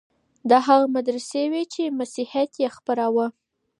دا هغه مدرسې وې چي مسيحيت يې خپراوه.